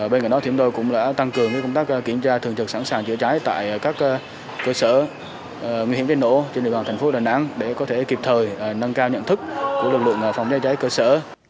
bên cạnh đó thì em tôi cũng đã tăng cường cái công tác kiểm tra thường trực sẵn sàng trợ trái tại các cơ sở nguy hiểm tên nổ trên địa bàn thành phố đà nẵng để có thể kịp thời nâng cao nhận thức của lực lượng phòng trái trái cơ sở